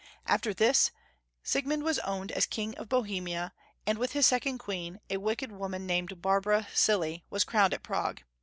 After this, Siegmnnd was owned as King of Bo hemia, and with his second queen, a wicked woman named Barbara Cilly, was crowned at Prague.